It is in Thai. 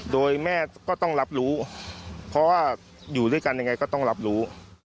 โดยแม่ก็ต้องรับรู้เพราะว่าอยู่ด้วยกันยังไงก็ต้องรับรู้